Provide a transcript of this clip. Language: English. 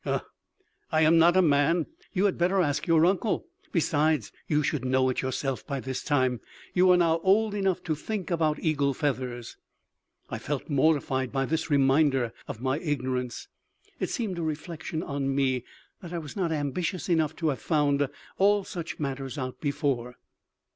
"Ugh, I am not a man; you had better ask your uncle. Besides, you should know it yourself by this time. You are now old enough to think about eagle feathers." I felt mortified by this reminder of my ignorance. It seemed a reflection on me that I was not ambitious enough to have found all such matters out before.